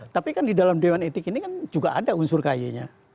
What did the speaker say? tapi kan di dalam dewan etik ini kan juga ada unsur kay nya